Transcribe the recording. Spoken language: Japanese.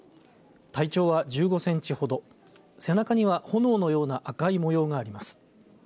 体長は１５センチほど背中には炎のような赤い模様があります。